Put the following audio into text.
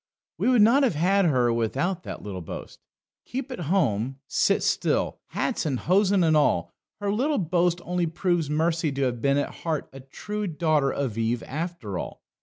We would not have had her without that little boast. Keep at home, sit still, hats and hosen and all her little boast only proves Mercy to have been at heart a true daughter of Eve after all.